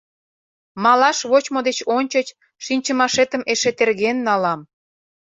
Малаш вочмо деч ончыч шинчымашетым эше терген налам.